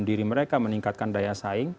diri mereka meningkatkan daya saing